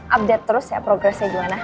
update terus ya progresnya gimana